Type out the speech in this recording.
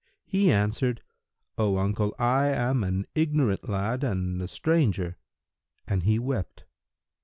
He answered, "O uncle, I am an ignorant lad and a stranger," and he wept.